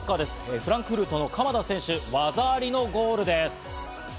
フランクフルトの鎌田選手、技ありのゴールです。